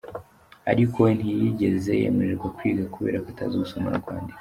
Ariko we ntiyigeze yemererwa kwiga kubera ko atazi gusoma no kwandika.